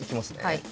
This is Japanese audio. はい。